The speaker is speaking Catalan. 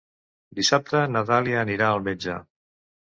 Dissabte na Dàlia anirà al metge.